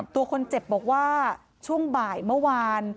ตัวคนเจ็บบอกว่าช่วงบ่ายเมื่อวาน